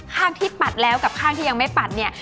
ข้างที่ปัดแล้วกับข้างที่ยังไม่ปัดเนี่ย